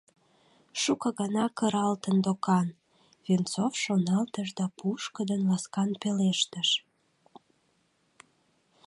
«Шуко гана кыралтын докан», — Венцов шоналтыш да пушкыдын, ласкан пелештыш: